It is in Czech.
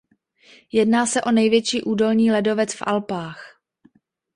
Jedná se o největší údolní ledovec v Alpách.